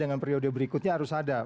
dengan periode berikutnya harus ada